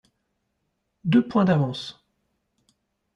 Deux points d’avance.